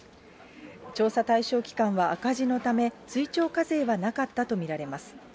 調査対象期間は赤字のため、追徴課税はなかったと見られます。